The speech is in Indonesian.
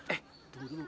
eh tunggu dulu